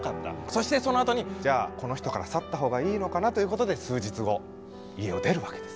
そしてそのあとにじゃあこの人から去ったほうがいいのかなということで数日後家を出るわけです。